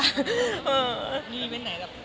มีอีเวนต์ไหนแบบ